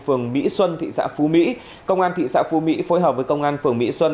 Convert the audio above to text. phường mỹ xuân thị xã phú mỹ công an thị xã phú mỹ phối hợp với công an phường mỹ xuân